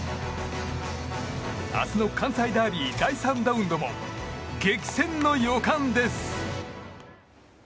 明日の関西ダービー第３ラウンドも激戦の予感です！